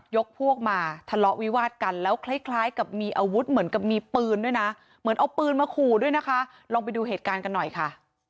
พวกมาทะเลาะวิวาดกันแล้วคล้ายคล้ายกับมีอาวุธเหมือนกับมีปืนด้วยนะเหมือนเอาปืนมาขู่ด้วยนะคะลองไปดูเหตุการณ์กันหน่อยค่ะ